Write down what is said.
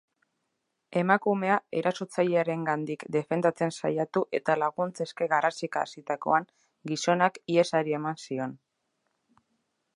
Emakumea erasotzailearengandik defendatzen saiatu eta laguntza eske garrasika hasitakoan gizonak ihesari eman zion.